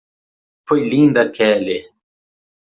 Foi Linda Keller!